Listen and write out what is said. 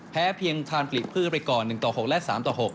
แพ้เพียงทานปลิปภื้นไปก่อน๑ต่อ๖และ๓ต่อ๖